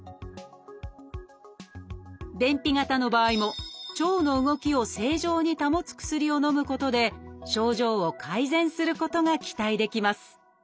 便秘型の場合も腸の動きを正常に保つ薬をのむことで症状を改善することが期待できます